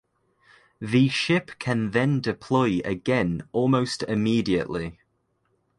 The ship can then deploy again almost immediately.